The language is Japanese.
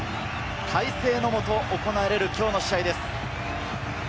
快晴のもと行われる、きょうの試合です。